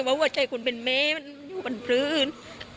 ว่าหัวใจคนเป็นแม่มันอยู่บนพื้น